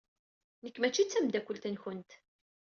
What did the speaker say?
Nekk mačči d tameddakelt-nkent.